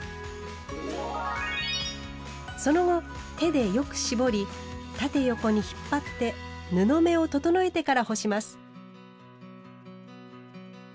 その後手でよく絞り縦横に引っ張って布目を整えてから干します。